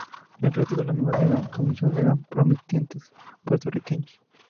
El resto de los miembros de la Comisión eran prominentes puertorriqueños.